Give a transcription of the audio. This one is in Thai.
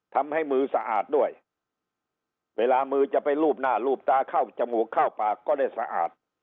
ทำให้มือสะอาดด้วยเวลามือจะไปลูบหน้ารูปตาเข้าจมูกเข้าปากก็ได้สะอาด